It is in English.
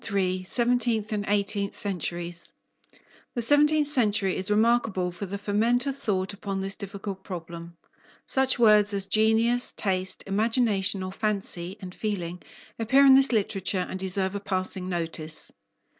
III SEVENTEENTH AND EIGHTEENTH CENTURIES The seventeenth century is remarkable for the ferment of thought upon this difficult problem. Such words as genius, taste, imagination or fancy, and feeling, appear in this literature, and deserve a passing notice.